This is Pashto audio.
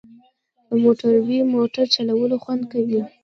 په موټروی موټر چلول خوند کوي